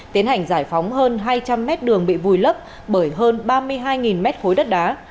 tiến hành giải phóng hơn hai trăm linh mét đường bị vùi lấp bởi hơn ba mươi hai mét khối đất đá